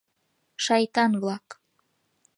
Шайтан-влак!